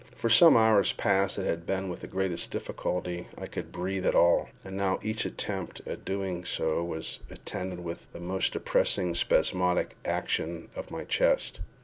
For some hours past it had been with the greatest difficulty I could breathe at all, and now each attempt at so doing was attended with the most depressing spasmodic action of the chest.